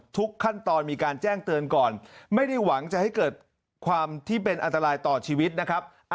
ทุกขั้นตอนมีการแจ้งเตือนก่อนไม่ได้หวังจะให้เกิดความที่เป็นอันตรายต่อชีวิตนะครับ